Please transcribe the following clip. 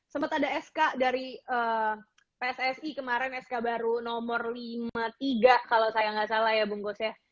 sempat ada sk dari pssi kemarin sk baru nomor lima puluh tiga kalau saya nggak salah ya bung gos ya